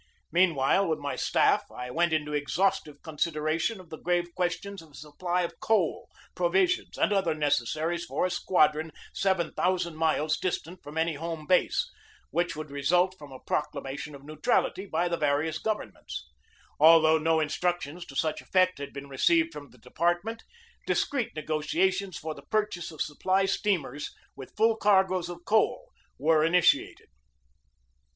Meanwhile, with my staff, I went into exhaustive consideration of the grave ques tion of a supply of coal, provisions, and other neces saries for a squadron seven thousand miles distant from any home base, which would result from a proc lamation of neutrality by the various governments. Although no instructions to such effect had been received from the department, discreet negotiations for the purchase of supply steamers with full cargoes of coal were initiated.